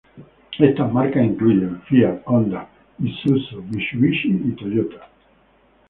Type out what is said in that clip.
Estas marcas incluyen: Fiat, Honda, Isuzu, Mitsubishi y Toyota.